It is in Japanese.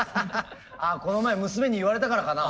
あこの前娘に言われたからかな。